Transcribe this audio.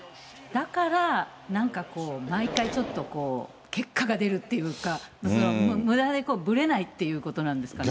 だからなんか毎回ちょっと結果が出るっていうか、むだでぶれないっていうんですかね。